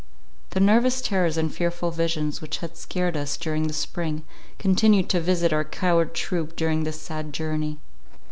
The nervous terrors and fearful visions which had scared us during the spring, continued to visit our coward troop during this sad journey.